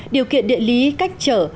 điều kiện địa lý cách trở